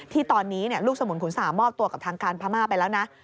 ที่ตอนนี้ลูกสมุนขุนสามอบตัวกับทางการพม่าไปแล้วนะ